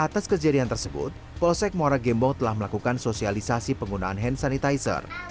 atas kejadian tersebut polsek muara gembong telah melakukan sosialisasi penggunaan hand sanitizer